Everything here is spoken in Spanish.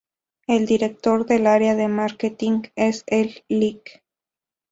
El Director del Área de Marketing es el Lic.